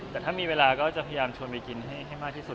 แต่ถ้ามีเวลาก็จะพยายามชวนไปกินให้มากที่สุด